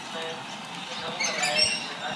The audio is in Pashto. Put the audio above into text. موږ په تفریح کولو مصروفه یو.